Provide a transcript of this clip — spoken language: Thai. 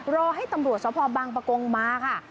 รอให้ตำรวจสภบางประกงมาค่ะ